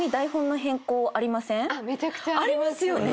めちゃくちゃあります。